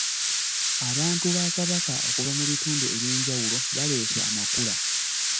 Abantu ba Kabaka okuva mu bitundu eby'enjawulo baleese amakula .